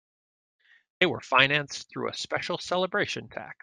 They were financed through a special celebration tax.